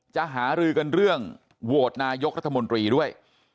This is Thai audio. หารือกันเรื่องโหวตนายกรัฐมนตรีด้วย